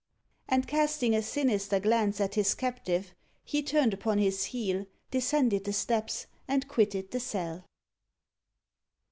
And casting a sinister glance at his captive, he turned upon his heel, descended the steps, and quitted the cell.